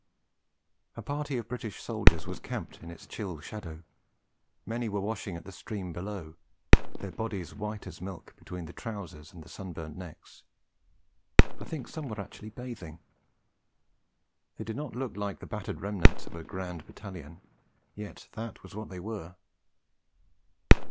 A party of British soldiers was camped in its chill shadow; many were washing at the stream below, their bodies white as milk between their trousers and their sunburnt necks. Some, I think, were actually bathing. They did not look like the battered remnant of a grand Battalion. Yet that was what they were.